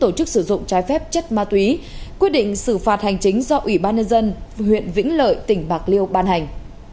tổ chức sử dụng trái phép chất ma túy quyết định xử phạt hành chính do ủy ban nhân dân huyện vĩnh lợi tỉnh bạc liêu ban hành